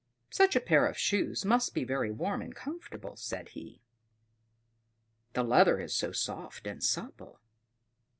"Such a pair of shoes must be very warm and comfortable," said he; "the leather is so soft and supple."